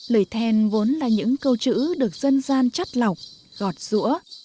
lời then vốn là những câu chữ được dân gian chắt lọc gọt rũa